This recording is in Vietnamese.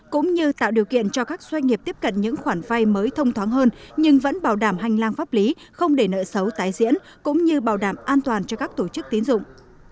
cũng như tạo điều kiện cho các doanh nghiệp tiếp cận những khoản vay mới thông thoáng hơn nhưng vẫn bảo đảm hành lang pháp lý không để nợ xấu tái diễn cũng như bảo đảm an toàn cho các tổ chức tín dụng